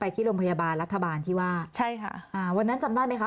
ที่โรงพยาบาลรัฐบาลที่ว่าใช่ค่ะอ่าวันนั้นจำได้ไหมคะ